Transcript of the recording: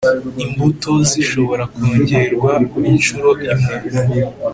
Imbuto zishobora kongerwa inshuro imwe.